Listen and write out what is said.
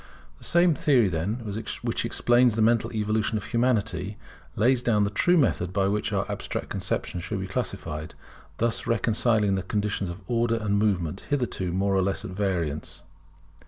The same theory then which explains the mental evolution of Humanity, lays down the true method by which our abstract conceptions should be classified; thus reconciling the conditions of Order and Movement, hitherto more or less at variance.